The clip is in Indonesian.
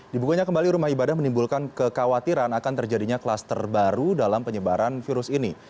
dibukanya kembali rumah ibadah menimbulkan kekhawatiran akan terjadinya kluster baru dalam penyebaran virus ini